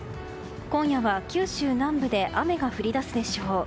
今夜は九州南部で雨が降り出すでしょう。